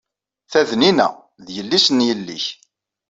Ta d Nina, d yelli-s n yelli-k.